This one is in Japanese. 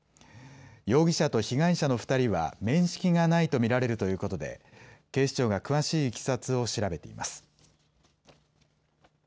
容疑者と被害者の２人は面識がないと見られるということで警視庁が詳しいいきさつを調べています。